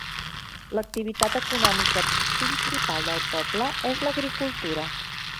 L'activitat econòmica principal del poble és l'agricultura.